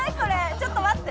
ちょっと待って！